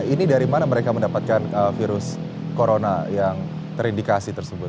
ini dari mana mereka mendapatkan virus corona yang terindikasi tersebut